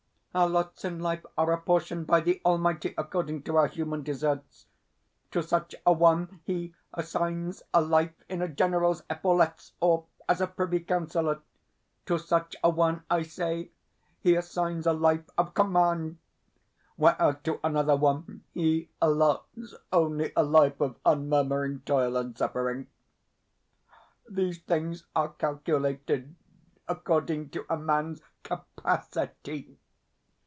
Our lots in life are apportioned by the Almighty according to our human deserts. To such a one He assigns a life in a general's epaulets or as a privy councillor to such a one, I say, He assigns a life of command; whereas to another one, He allots only a life of unmurmuring toil and suffering. These things are calculated according to a man's CAPACITY.